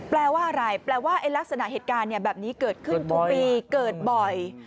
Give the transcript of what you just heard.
แปลว่าอะไรแปลว่าลักษณะเหตุการณ์แบบนี้เกิดขึ้นทุกปีเกิดบ่อย